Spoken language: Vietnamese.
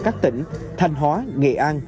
các tỉnh thanh hóa nghệ an